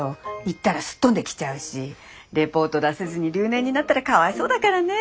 言ったらすっ飛んできちゃうしレポート出せずに留年になったらかわいそうだからね。